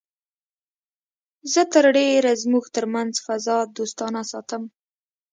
زه تر ډېره زموږ تر منځ فضا دوستانه ساتم